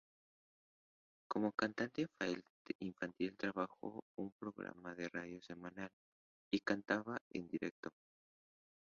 Como cantante infantil, trabajó en un programa de radio semanal y cantaba en directo.